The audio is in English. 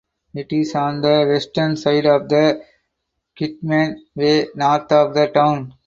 It is on the western side of the Kidman Way north of the town.